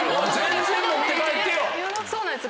そうなんです